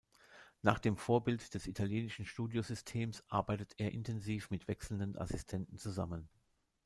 Nach dem Vorbild des italienischen Studio-Systems arbeitet er intensiv mit wechselnden Assistenten zusammen.